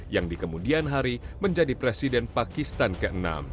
yang di kemudian hari menjadi presiden pakistan ke enam